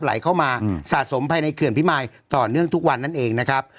ไหลเข้ามาสะสมภายในเขื่อนพิมายต่อเนื่องทุกวันนั่นเองนะครับ